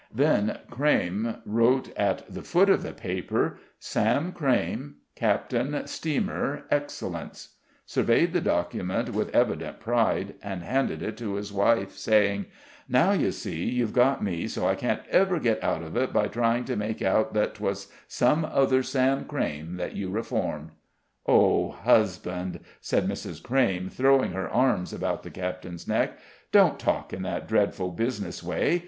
Then Crayme wrote at the foot of the paper, "Sam Crayme, Capt. Str. Excellence" surveyed the document with evident pride, and handed it to his wife, saying: "Now, you see, you've got me so I can't ever get out of it by trying to make out that 'twas some other Sam Crayme that you reformed." "Oh husband!" said Mrs. Crayme, throwing her arms about the captain's neck, "don't talk in that dreadful business way!